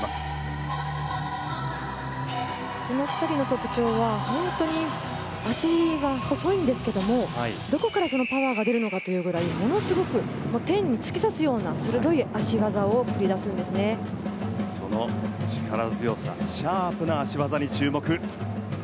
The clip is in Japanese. この２人の特徴は本当に脚が細いんですけどもどこからそのパワーが出るのかというぐらいものすごく天に突き刺すような鋭い脚技をその力強さシャープな脚技に注目。